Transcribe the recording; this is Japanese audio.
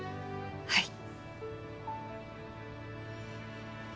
はい。